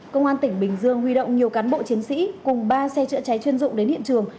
công an tỉnh bình dương huy động nhiều cán bộ chiến sĩ cùng ba xe chữa cháy chuyên dụng đến hiện trường